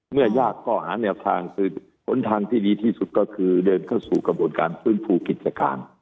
เมื่อยากก็หาทางที่ดีที่สุดก็คือเดินเข้าสู่กระบวนการพื้นภูกิจการ